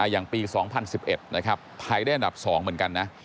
อย่างปี๒๐๑๑นะครับไทยได้อันดับ๒เหมือนกันนะ